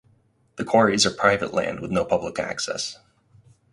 The quarries are private land with no public access.